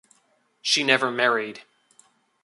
She never married.